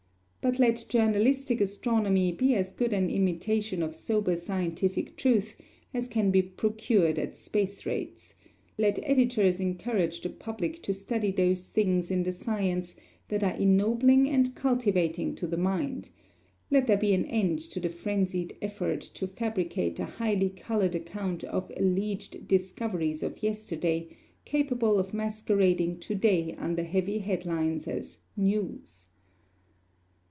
But let journalistic astronomy be as good an imitation of sober scientific truth as can be procured at space rates; let editors encourage the public to study those things in the science that are ennobling and cultivating to the mind; let there be an end to the frenzied effort to fabricate a highly colored account of alleged discoveries of yesterday, capable of masquerading to day under heavy head lines as News.